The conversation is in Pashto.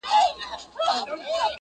و دربار ته یې حاضر کئ بېله ځنډه,